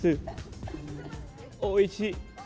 อูเอช